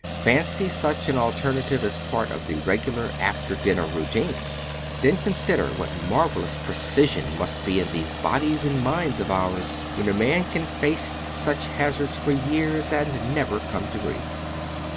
Fancy such an alternative as part of the regular after dinner routine! And then consider what marvelous precision must be in these bodies and minds of ours when a man can face such a hazard for years and never come to grief.